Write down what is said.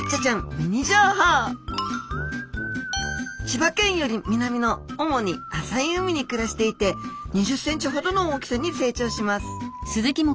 千葉県より南の主に浅い海に暮らしていて２０ｃｍほどの大きさに成長します。